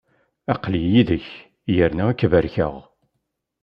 Aql-i yid-k, yerna ad k-barkeɣ.